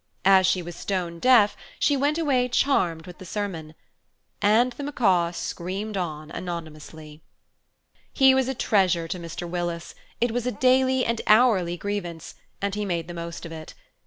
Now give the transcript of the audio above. As she was stone deaf, she went away charmed with the sermon. And the macaw screamed on anonymously. He was a treasure to Mr. Willis; it was a daily and hourly grievance, and he made the most of it.